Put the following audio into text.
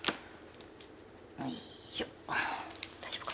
よいしょ大丈夫かな。